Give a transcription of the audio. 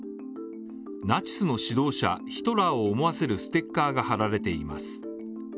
ナチスの指導者ヒトラーを思わせるステッカーが貼られています。